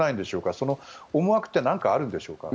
その思惑ってなんかあるんでしょうか。